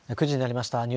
９時になりました。